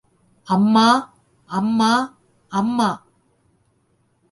அம்மா, அம்மா, அம்மா!